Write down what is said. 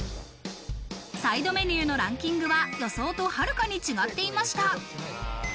サイドメニューのランキングは予想とはるかに違っていました。